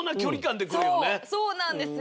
そうなんですよ。